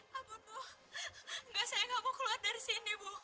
habu enggak saya nggak mau keluar dari sini bu